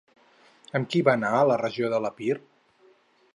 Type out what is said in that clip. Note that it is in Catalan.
Amb qui va anar a la regió de l'Epir?